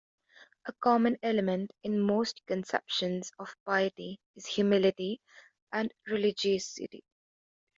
A common element in most conceptions of piety is humility and religiosity.